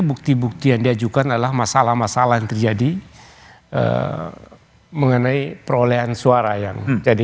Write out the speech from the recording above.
bukti bukti yang diajukan adalah masalah masalah yang terjadi mengenai perolehan suara yang jadi